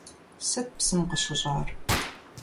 Сыт псым къыщыщӀар?